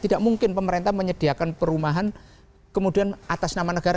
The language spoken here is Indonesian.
tidak mungkin pemerintah menyediakan perumahan kemudian atas nama negara